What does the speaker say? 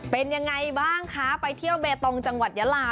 เป็นยังไงบ้างคะไปเที่ยวเบตงจังหวัดยาลา